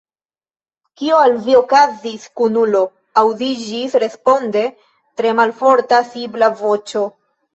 « Kio al vi okazis, kunulo?" Aŭdiĝis responde tre malforta sibla voĉo.